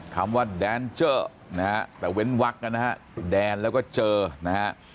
คำว่านะฮะแต่เว้นวักนะฮะแล้วก็เจอนะฮะ